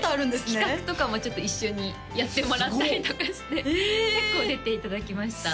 企画とかもちょっと一緒にやってもらったりとかして結構出ていただきました